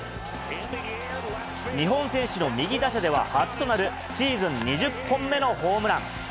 日本選手の右打者では初となる、シーズン２０本目のホームラン。